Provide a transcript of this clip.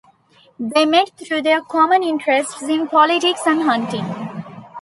They met through their common interests in politics and hunting.